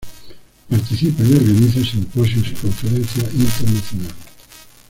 Participa y organiza simposios y conferencias internacionales.